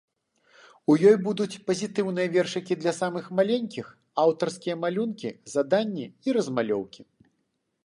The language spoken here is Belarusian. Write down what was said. У ёй будуць пазітыўныя вершыкі для самых маленькіх, аўтарскія малюнкі, заданні і размалёўкі.